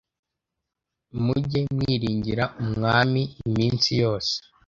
Mujye mwiringira Umwami iminsi yose